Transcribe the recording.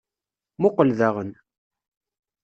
Muqqel daɣen.